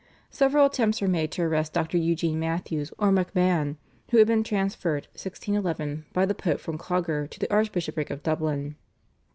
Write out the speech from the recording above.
" Several attempts were made to arrest Dr. Eugene Matthews or MacMahon, who had been transferred (1611) by the Pope from Clogher to the Archbishopric of Dublin.